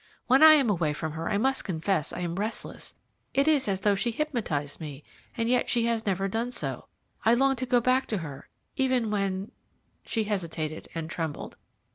When I am away from her I must confess I am restless it is as though she hypnotized me, and yet she has never done so. I long to go back to her even when " She hesitated and trembled.